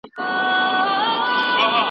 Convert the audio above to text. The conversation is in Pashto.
سبا ته به زده کوونکي د علم په زده کړه بوخت وي.